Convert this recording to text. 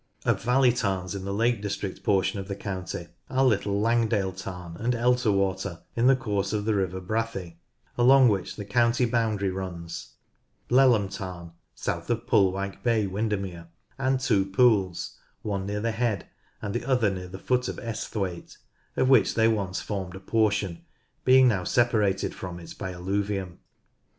Of valley tarns in the Lake District portion of the county are Little Langdale Tarn and Elterwater in the course of the river Brathay, along which the county boundary runs ; Blelham Tarn south of Pullwyke Bay, Windermere ; and two pools, one near the head and the other near the foot of Esthwaite, of which they once formed a portion, being now separated from it by alluvium.